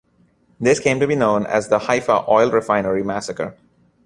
This came to be known as the "Haifa Oil Refinery massacre".